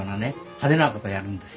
派手なことをやるんですよ。